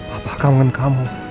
apa kemengen kamu